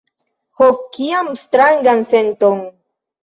Ho, kian strangan senton!